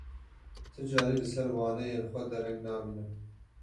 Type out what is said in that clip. Ti carî li ser waneyên xwe dereng namîne.